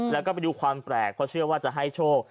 แล้วก็ไปดูความแปลกเพราะเชื่อว่าจะให้โชค